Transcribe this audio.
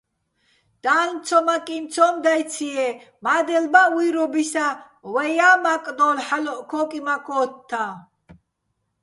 დალნ ცომაკინ ცომ დაჲცი̆-ჲე, მადელ ბა უჲრობისაჼ ვაჲა მაკდოლო̆ ჰ̦ალოჸ ქოკიმაქ ოთთაჼ.